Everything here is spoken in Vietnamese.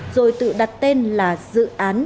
rồi tự đặt tên là dự án